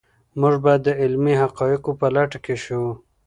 موږ باید د علمي حقایقو په لټه کې شو.